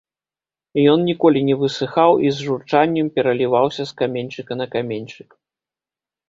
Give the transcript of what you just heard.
Ён ніколі не высыхаў і з журчаннем пераліваўся з каменьчыка на каменьчык.